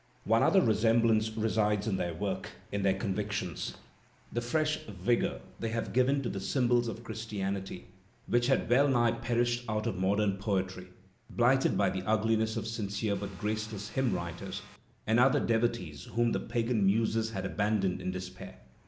One other resemblance resides in their work, in their convictions, the fresh vigour they have given to the symbols of Christianity which had well nigh perished out of modem poetry, blighted by the ugliness of sincere but graceless hymn writers and other devotees whom the pagan muses had abandoned in despair.